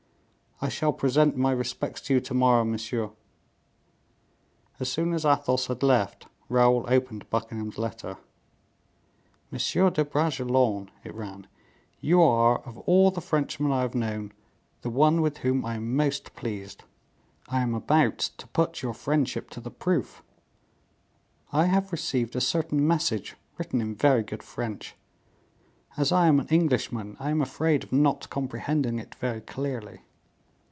"I shall present my respects to you to morrow, monsieur." As soon as Athos had left, Raoul opened Buckingham's letter. "Monsieur de Bragelonne," it ran, "You are, of all the Frenchmen I have known, the one with whom I am most pleased; I am about to put your friendship to the proof. I have received a certain message, written in very good French. As I am an Englishman, I am afraid of not comprehending it very clearly.